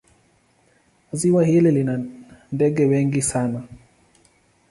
Ziwa hili lina ndege wengi sana.